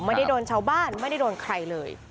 ไม่ได้โดนชาวบ้านไม่ได้โดนใครเลย